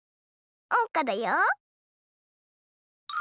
おうかだよ。